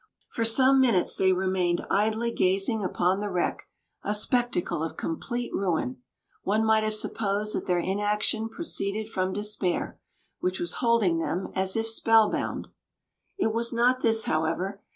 For some minutes they remained idly gazing upon the wreck, a spectacle of complete ruin. One might have supposed that their inaction proceeded from despair, which was holding them as if spellbound. It was not this, however.